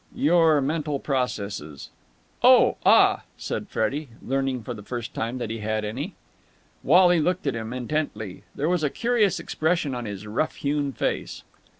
"Your mental processes." "Oh, ah!" said Freddie, learning for the first time that he had any. Wally looked at him intently. There was a curious expression on his rough hewn face.